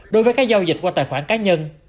đối với các giao dịch qua tài khoản cá nhân